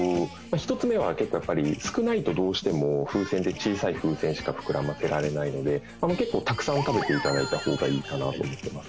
１つ目は結構やっぱり少ないとどうしても風船で小さい風船しか膨らませられないので結構たくさん食べて頂いた方がいいかなと思ってます。